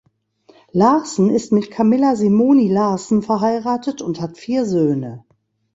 Larsen ist mit Camilla Simoni Larsen verheiratet und hat vier Söhne.